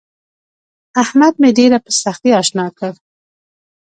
احمد مې ډېره په سختي اشنا کړ.